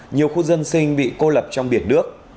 nhiều khu dân sinh bị cô lập trong biển nước